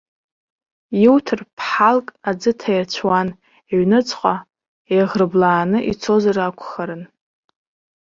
Иуҭар ԥҳалк аӡы ҭаирцәуан, иҩныҵҟа еиӷрыблааны ицозар акәхарын.